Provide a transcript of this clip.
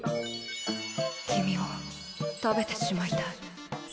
君を食べてしまいたい